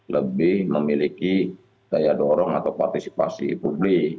lebih memiliki daya dorong atau partisipasi publik